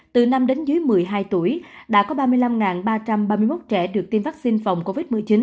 từ năm đến dưới một mươi hai tuổi đã có ba mươi năm ba trăm ba mươi một trẻ được tiêm vaccine phòng covid một mươi chín